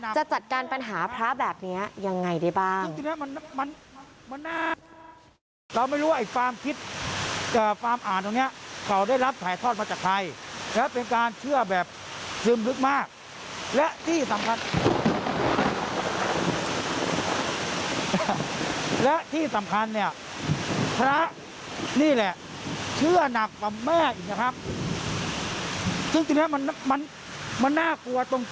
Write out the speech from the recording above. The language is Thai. จะจัดการปัญหาพระแบบนี้ยังไงได้บ้าง